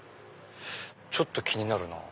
ちょっと気になるなぁ。